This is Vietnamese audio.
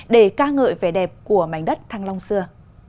để ca ngợi vẻ đẹp của mảnh đất thăng long xưa